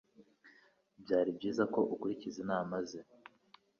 Byari byiza ko ukurikiza inama ze